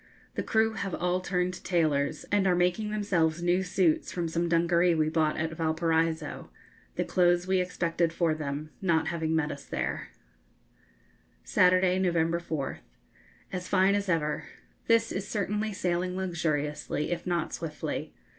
The crew have all turned tailors, and are making themselves new suits from some dungaree we bought at Valparaiso, the clothes we expected for them not having met us there. [Illustration: Juvenile Scrubbers.] Saturday, November 4th. As fine as ever. This is certainly sailing luxuriously, if not swiftly.